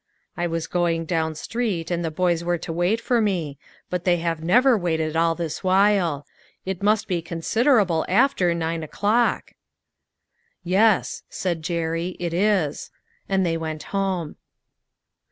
" I was going down street, and the boys were to wait for me ; but they have never waited all this while ; it must be considerable after nine o'clock." " Yes," said Jerry, *' it is<" And they went home.